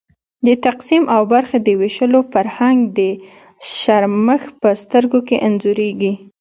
د تقسیم او برخې د وېشلو فرهنګ د شرمښ په سترګو کې انځورېږي.